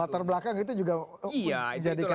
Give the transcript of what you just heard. latar belakang itu juga dijadikan